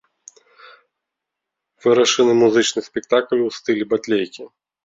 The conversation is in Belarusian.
Вырашаны музычны спектакль у стылі батлейкі.